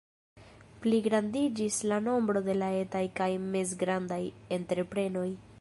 Pligrandiĝis la nombro de la etaj kaj mezgrandaj entreprenoj.